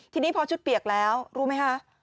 ทีนี้พอชุดเปียกแล้วรู้ไหมคะ